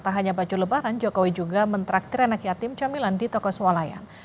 tak hanya baju lebaran jokowi juga mentraktir anak yatim camilan di toko swalayan